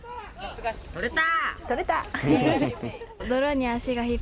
取れた！